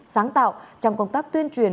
sáng tạo trong công tác tuyên truyền